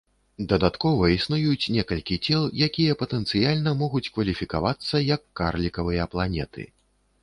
Дадаткова, існуюць некалькі цел, якія патэнцыяльна могуць кваліфікавацца як карлікавыя планеты.